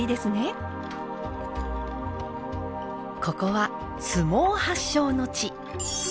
ここは相撲発祥の地。